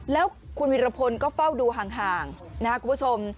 แล้วคุณวิรพลก็เฝ้าดูห่างนะครับคุณผู้ชม